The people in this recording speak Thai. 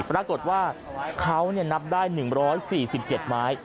ปรากฏว่าเขานับได้๑๔๗ไม้